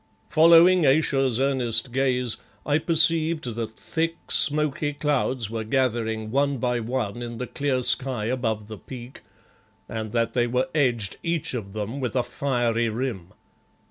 Following Ayesha's earnest gaze, I perceived that thick, smoky clouds were gathering one by one in the clear sky above the peak, and that they were edged, each of them, with a fiery rim.